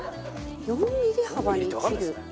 ４ミリ幅に切る？